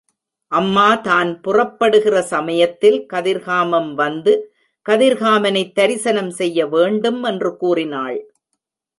அம்மாதான் புறப்படுகிற சமயத்தில், கதிர்காமம் வந்து, கதிர்காமனை தரிசனம் செய்ய வேண்டும், என்று கூறினாள்.